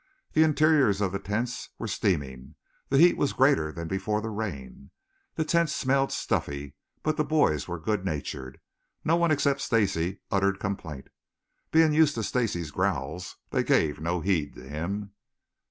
The interiors of the tents were steaming; the heat was greater than before the rain. The tents smelled stuffy, but the boys were good natured. No one except Stacy uttered complaint. Being used to Stacy's growls, they gave no heed to him.